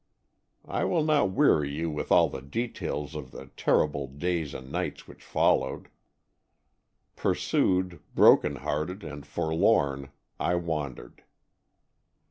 I will not weary you with all the details of the terrible days and nights which followed. Pursued, bro ken hearted and forlorn, I wandered.